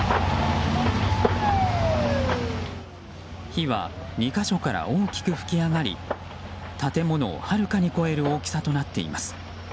火は、２か所から大きく噴き上がり建物をはるかに超える大きさとなっています。